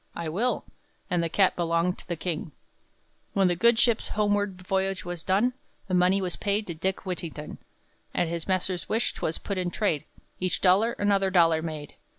"I will!" and the cat belonged to the king. When the good ship's homeward voyage was done, The money was paid to Dick Whittington; At his master's wish 'twas put in trade; Each dollar another dollar made.